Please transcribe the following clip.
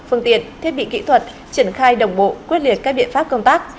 phương tiện thiết bị kỹ thuật triển khai đồng bộ quyết liệt các biện pháp công tác